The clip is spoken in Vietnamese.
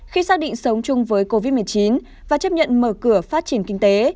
khi xác định sống chung với covid một mươi chín và chấp nhận mở cửa phát triển kinh tế